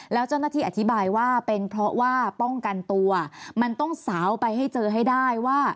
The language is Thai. แล้วเจ้าหน้าที่อธิบายว่าเป็นเพราะว่าป้องกันตัวมันต้องสาวไปให้เจอให้ได้ว่า